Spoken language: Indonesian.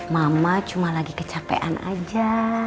mama cuma lagi kecapean aja